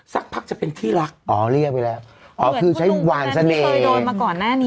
สักพักจะเป็นที่รักอ๋อเรียกไปแล้วอ๋อคือใช้หวานเสน่ห์เคยโดนมาก่อนหน้านี้